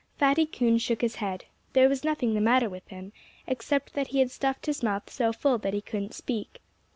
Fatty Coon shook his head. There was nothing the matter with him, except that he had stuffed his mouth so full that he couldn't speak.